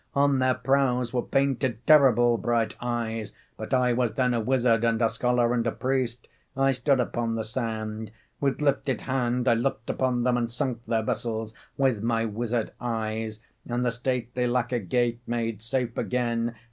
On their prows were painted terrible bright eyes. But I was then a wizard and a scholar and a priest; I stood upon the sand; With lifted hand I looked upon them And sunk their vessels with my wizard eyes, And the stately lacquer gate made safe again.